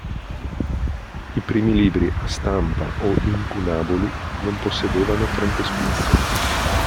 I primi libri a stampa o incunaboli non possedevano frontespizio.